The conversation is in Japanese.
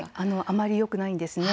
あまりよくないんですね。